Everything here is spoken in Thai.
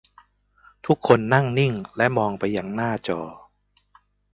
ทุกคนนั่งนิ่งและมองไปยังหน้าจอ